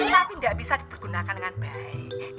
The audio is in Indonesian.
tapi nggak bisa digunakan dengan baik